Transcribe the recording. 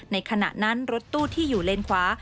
ขณะนั้นรถตู้ที่อยู่เลนขวา